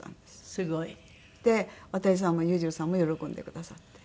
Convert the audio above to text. すごい！で渡さんも裕次郎さんも喜んでくださって。